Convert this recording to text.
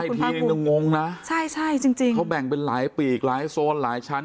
ทีนึงงงนะใช่ใช่จริงจริงเขาแบ่งเป็นหลายปีกหลายโซนหลายชั้น